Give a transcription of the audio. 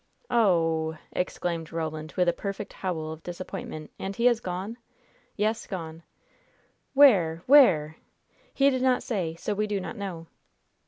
"Oh h h h!" exclaimed Roland, with a perfect howl of disappointment. "And he has gone?" "Yes, gone." "Where? Where?" "He did not say; so we do not know."